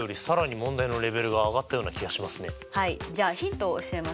じゃあヒントを教えますね。